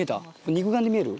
肉眼で見える？